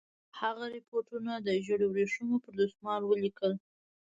هغه رپوټونه د ژړو ورېښمو پر دسمالونو ولیکل.